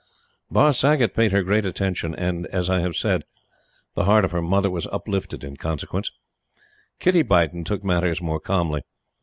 Barr Saggott paid her great attention; and, as I have said, the heart of her mother was uplifted in consequence. Kitty Beighton took matters more calmly.